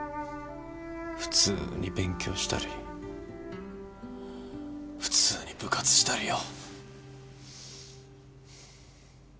普通に勉強したり普通に部活したりよ。